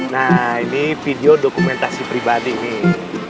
nah ini video dokumentasi pribadi nih